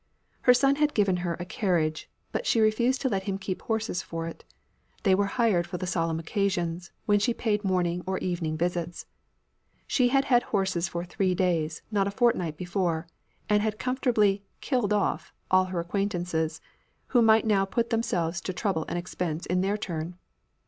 Her son had given her a carriage; but she refused to let him keep horses for it; they were hired for the solemn occasions, when she paid morning or evening visits. She had had horses for three days, not a fortnight before, and had comfortably "killed off" all her acquaintances, who might now put themselves to trouble and expense in their turn.